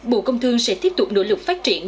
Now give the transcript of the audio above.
bộ công thương sẽ tiếp tục nỗ lực phát triển